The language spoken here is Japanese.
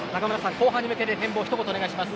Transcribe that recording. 後半に向けて展望をひと言お願いします。